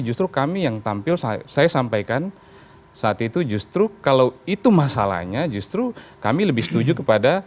justru kami yang tampil saya sampaikan saat itu justru kalau itu masalahnya justru kami lebih setuju kepada